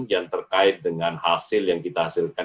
yang terkait dengan hasil yang kita hasilkan